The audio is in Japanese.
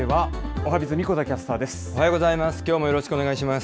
おはようございます。